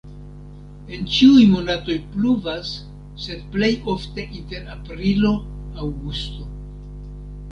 En ĉiuj monatoj pluvas, sed plej ofte inter aprilo-aŭgusto.